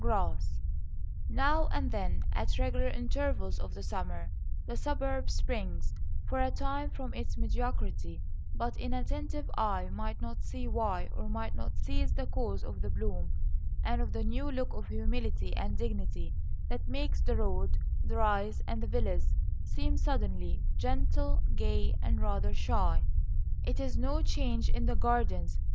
GRASS Now and then, at regular intervals of the summer, the Suburb springs for a time from its mediocrity; but an inattentive eye might not see why, or might not seize the cause of the bloom and of the new look of humility and dignity that makes the Road, the Rise, and the Villas seem suddenly gentle, gay and rather shy. It is no change in the gardens.